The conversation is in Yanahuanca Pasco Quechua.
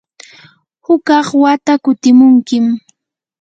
hukaq wata kutimunkim.